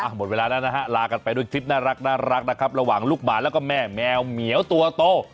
หมดเวลาแล้วค่ะลากันไปด้วยคลิปน่ารักระหว่างลูกหมาและแมวเมียวตัวโต